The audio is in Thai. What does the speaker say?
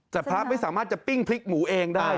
แต่พระไม่สามารถจะปิ้งพริกหมูเองได้